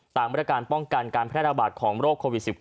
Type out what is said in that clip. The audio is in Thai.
ตามมาตรการป้องกันการแพร่ระบาดของโรคโควิด๑๙